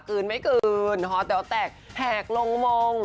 คืนไม่คืนหอแต๋วแตกแหกลงมง